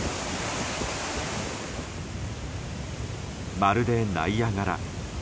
まるでナイアガラ。